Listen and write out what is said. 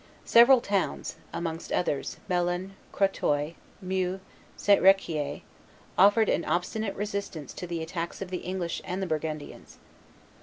Several towns, amongst others, Melun, Crotoy, Meaux, and St. Riquier, offered an obstinate resistance to the attacks of the English and Burgundians.